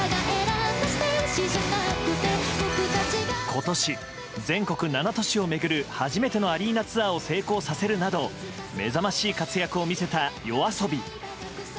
今年、全国７都市を巡る初めてのアリーナツアーを成功させるなど目覚ましい活躍を見せたＹＯＡＳＯＢＩ。